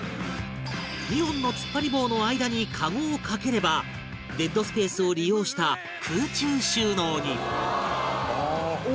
２本の突っ張り棒の間にカゴをかければデッドスペースを利用した空中収納に